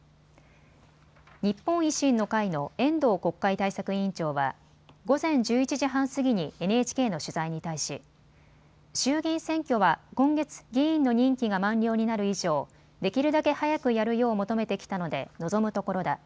日本維新の会の遠藤国会対策委員長は午前１１時半過ぎにＮＨＫの取材に対し衆議院選挙は今月、議員の任期が満了になる以上、できるだけ早くやるよう求めてきたので望むところだ。